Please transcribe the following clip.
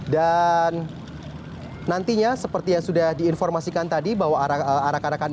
dan nantinya seperti yang sudah diinformasikan tadi bahwa arah arahkan ini